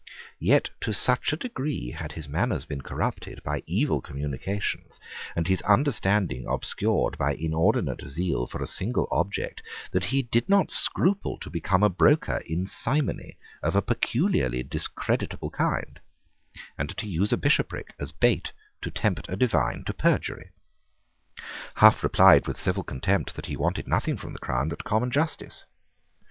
Yet to such a degree had his manners been corrupted by evil communications, and his understanding obscured by inordinate zeal for a single object, that he did not scruple to become a broker in simony of a peculiarly discreditable kind, and to use a bishopric as a bait to tempt a divine to perjury. Hough replied with civil contempt that he wanted nothing from the crown but common justice.